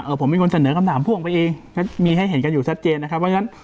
เอ้อผมมีกนเสนอก็ถามข้องไปเองมีให้เห็นกันอยู่ชัดเจนนะครับ